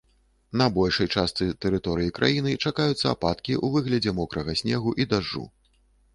На большай частцы тэрыторыі краіны чакаюцца ападкі ў выглядзе мокрага снегу і дажджу.